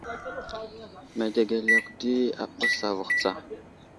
Medegel yakw ghe ɓəs avohw tsa.